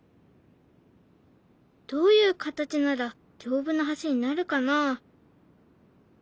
どういう形なら丈夫な橋になるかな？